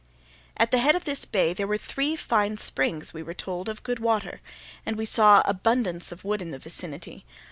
At the head of this bay there were three fine springs (we were told) of good water, and we saw abundance of wood in the vicinity.